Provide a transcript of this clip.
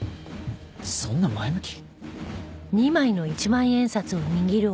そんな前向き？